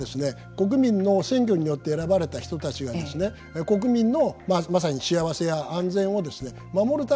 国民の選挙によって選ばれた人たちが国民のまさに幸せや安全を守るために作るものが法律です。